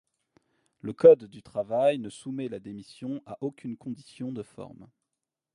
Le Code du travail ne soumet la démission à aucune condition de forme.